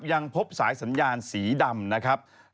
ยังพบสายสัญญาณสีดำนะครับ